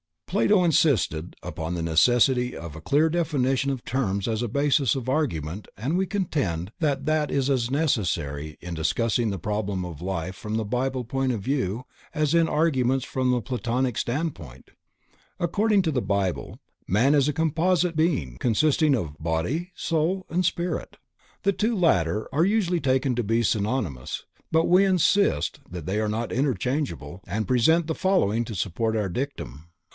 Plato insisted upon the necessity of a clear definition of terms as a basis of argument and we contend that that is as necessary in discussing the problem of life from the Bible point of view as in arguments from the platonic standpoint. According to the Bible man is a composite being consisting of body, soul and spirit. The two latter are usually taken to be synonymous, but we insist that they are not interchangeable and present the following to support our dictum.